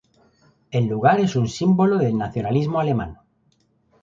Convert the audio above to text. El lugar es un símbolo del nacionalismo alemán.